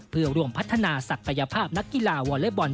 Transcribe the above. เพื่อร่วมพัฒนาศักยภาพนักกีฬาวอเล็กบอล